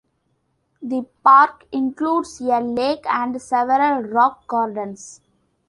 The park includes a lake and several rock gardens.